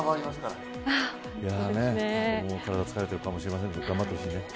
体疲れているかもしれませんが頑張ってほしいね。